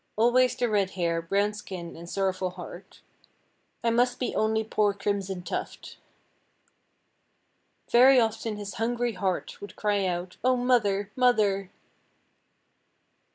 Always the red hair, brown skin and sorrowful heart, "I must be only poor Crimson Tuft." Very often his hungry heart would cry out, "Oh, mother! mother!"